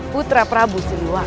putra prabu siliwangi